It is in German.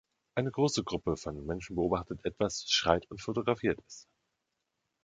Eine große Gruppe von Menschen beobachtet etwas, schreit und fotografiert es.